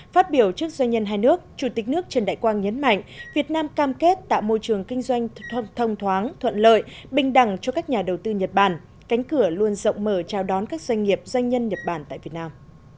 phát biểu trước doanh nhân hai nước chủ tịch nước trần đại quang nhấn mạnh việt nam cam kết tạo môi trường kinh doanh thông thoáng thuận lợi bình đẳng cho các nhà đầu tư nhật bản cánh cửa luôn rộng mở chào đón các doanh nghiệp doanh nhân nhật bản tại việt nam